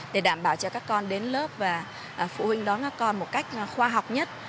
để đảm bảo cho các con đến lớp và phụ huynh đón các con một cách khoa học nhất